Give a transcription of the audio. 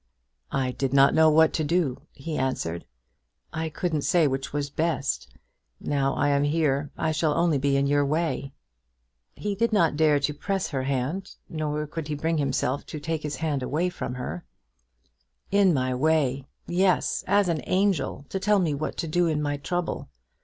"I did not know what to do," he answered. "I couldn't say which was best. Now I am here I shall only be in your way." He did not dare to press her hand, nor could he bring himself to take his away from her. "In my way; yes; as an angel, to tell me what to do in my trouble.